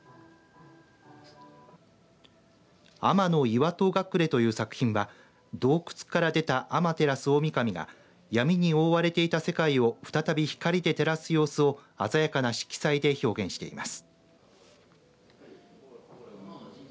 天の岩戸隠れという作品は洞窟から出た天照大神が闇に覆われていた世界を再び光で照らす様子を鮮やかな色彩で表現しています。